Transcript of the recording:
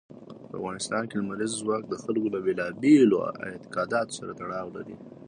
په افغانستان کې لمریز ځواک د خلکو له بېلابېلو اعتقاداتو سره تړاو لري.